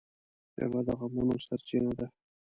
جګړه د غمونو سرچینه ده